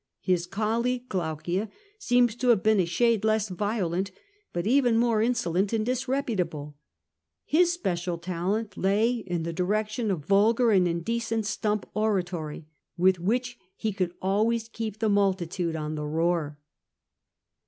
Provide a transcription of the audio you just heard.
His colleague, Glaucia, seems to have been a shade less violent, but even more insolent and disreputable. His special talent lay in the direction of vulgar and indecent stump oratory, with which he could always keep the multitude on the roar.